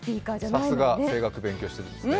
さすが声楽、勉強してますね。